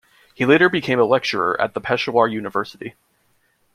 He later became a lecturer at the Peshawar University.